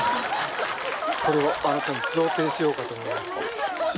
これをあなたに贈呈しようかと思いまして。